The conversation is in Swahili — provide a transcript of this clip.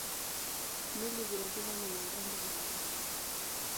Mwili vilevile ni mwembamba na mrefu.